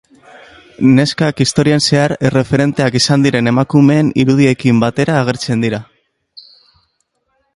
Neskak historian zehar erreferenteak izan diren emakumeen irudiekin batera agertzen dira.